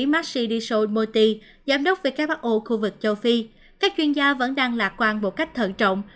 maxi disomoti giám đốc who khu vực châu phi các chuyên gia vẫn đang lạc quan một cách thận trọng